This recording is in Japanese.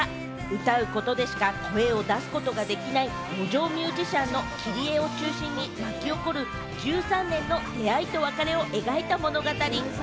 歌うことでしか声を出すことができない路上ミュージシャンのキリエを中心に巻き起こる１３年の出会いと別れを描いた物語。